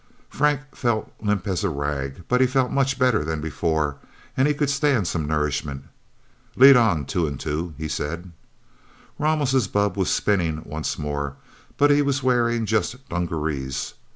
Frank felt limp as a rag, but he felt much better than before, and he could stand some nourishment. "Lead on, Two and Two," he said. Ramos' bubb was spinning once more, but he was wearing just dungarees.